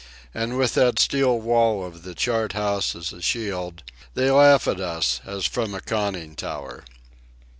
And with that steel wall of the chart house as a shield they laugh at us as from a conning tower.